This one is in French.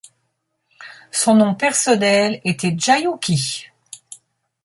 Son nom personnel était Ji Huqi.